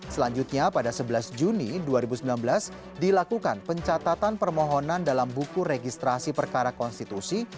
selanjutnya pada sebelas juni dua ribu sembilan belas dilakukan pencatatan permohonan dalam buku registrasi perkara konstitusi